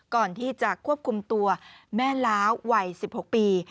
ก่อนที่จะควบคุมตัวแม่ล้าววัย๑๖ปี